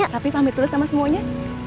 tapi pamit terus sama semuanya